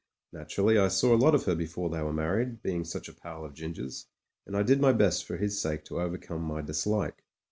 Naturally I saw a lot of her before they were married, being such a pal of Ginger's, and I did my best for his sake to overcome my dislike.